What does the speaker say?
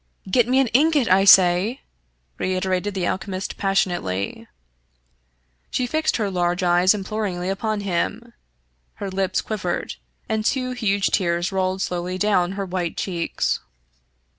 " Get me an ingot, I say !" reiterated the alchemist pas sionately. She fixed her large eyes imploringly upon him. Her lips quivered, and two huge tears rolled slowly down her white cheeks.